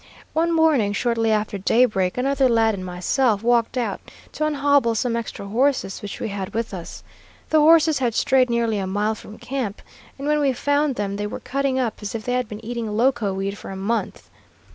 One morning, shortly after daybreak, another lad and myself walked out to unhobble some extra horses which we had with us. The horses had strayed nearly a mile from camp, and when we found them they were cutting up as if they had been eating loco weed for a month.